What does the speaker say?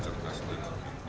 yakin gak ini kang